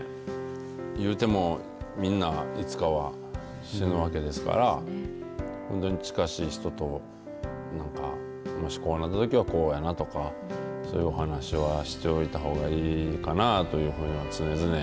言うてもみんないつかは死ぬわけですから本当に近しい人と、なんかもしこうなったときはこうやなとかそういうお話はしておいたほうがいいかなと思います、常々。